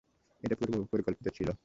এটা পূর্বপরিকল্পিত ছিলো।